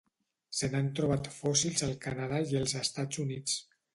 Se n'han trobat fòssils al Canadà i els Estats Units.